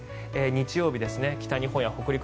日曜日、北日本や北陸